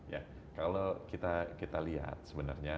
ya kalau kita lihat sebenarnya